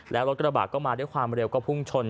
แล้วรถกระบะก็มาด้วยความเร็วก็พุ่งชน